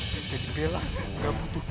jadi bella gak butuh